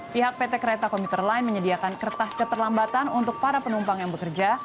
pihak pt kereta komuter line menyediakan kertas keterlambatan untuk para penumpang yang bekerja